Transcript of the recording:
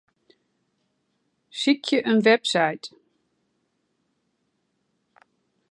Sykje in website.